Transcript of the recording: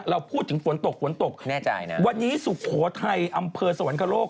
เราพูดถึงฝนตกวันนี้สุโขทัยอำเภอสวรรคโรค